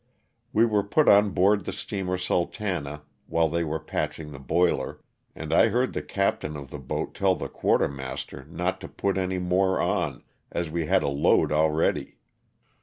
We were put on board the steamer "Sultana" while they were patching the boiler, and I heard the captain of the boat tell the quartermaster not to put any more on, as he had a load already.